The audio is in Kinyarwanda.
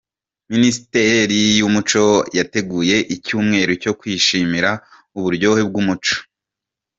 Minisiteri yumuco yateguye icyumweru cyo kwishimira uburyohe bw’umuco